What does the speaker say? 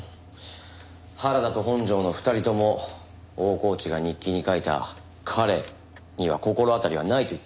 原田と本条の２人とも大河内が日記に書いた「彼」には心当たりはないと言ってます。